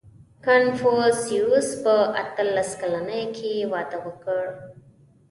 • کنفوسیوس په اتلس کلنۍ کې واده وکړ.